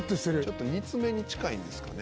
「ちょっと煮詰めに近いんですかね？」